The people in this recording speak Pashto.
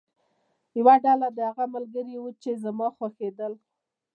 یوه ډله دې هغه ملګري وو چې زما خوښېدل.